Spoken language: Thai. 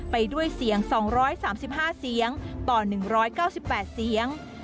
ไปด้วยเสียง๒๓๕เสียงต่อ๑๙๘เสียง